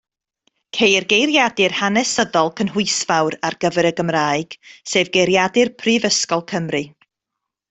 Ceir geiriadur hanesyddol cynhwysfawr ar gyfer y Gymraeg, sef Geiriadur Prifysgol Cymru.